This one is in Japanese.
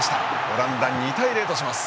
オランダ、２対０とします。